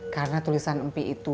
karena tulisan empi itu